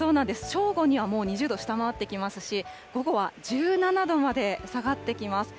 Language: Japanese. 正午にはもう２０度下回ってきますし、午後は１７度まで下がってきます。